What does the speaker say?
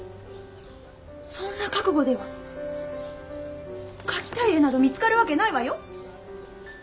そんな覚悟では描きたい絵など見つかるわけないわよ。